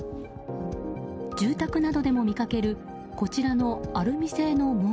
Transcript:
住宅などでも見かけるこちらのアルミ製の門。